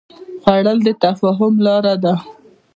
خوړل د تفاهم لاره ده